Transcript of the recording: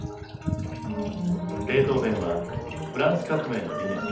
ベートーヴェンはフランス革命の理念